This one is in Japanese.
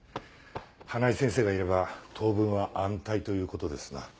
花井先生がいれば当分は安泰という事ですな。